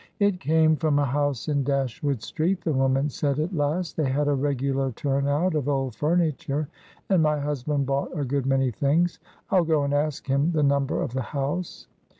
"It came from a house in Dashwood Street," the woman said at last. "They had a regular turn out of old furniture, and my husband bought a good many things. I'll go and ask him the number of the house."